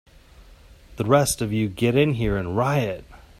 The rest of you get in here and riot!